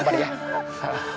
bapak sabar sabar sabar ya